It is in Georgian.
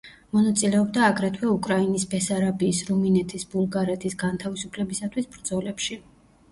მონაწილეობდა აგრეთვე უკრაინის, ბესარაბიის, რუმინეთის, ბულგარეთის განთავისუფლებისათვის ბრძოლებში.